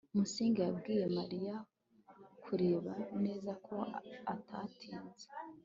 musinga yabwiye mariya kureba neza ko atatinze